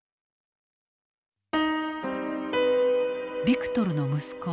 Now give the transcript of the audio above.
ビクトルの息子